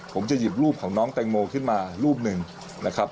ผมจะหยิบรูปของน้องแตงโมขึ้นมารูปหนึ่งนะครับ